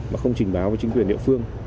mà không trình báo với chính quyền địa phương